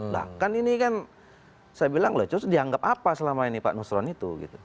bahkan ini kan saya bilang loh terus dianggap apa selama ini pak nusron itu